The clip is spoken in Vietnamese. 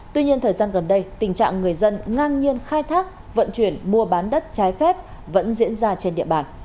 tuy nhiên thời gian gần đây tình trạng người dân ngang nhiên khai thác vận chuyển mua bán đất trái phép vẫn diễn ra trên địa bàn